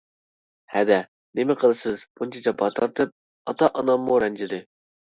-ھەدە، نېمە قىلىسىز بۇنچە جاپا تارتىپ؟ ئاتا-ئاناممۇ رەنجىدى.